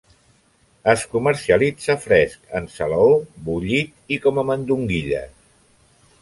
Es comercialitza fresc, en salaó, bullit i com a mandonguilles.